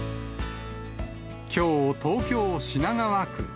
きょう、東京・品川区。